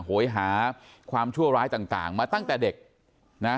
โหยหาความชั่วร้ายต่างมาตั้งแต่เด็กนะ